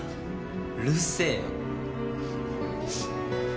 うるせえよ。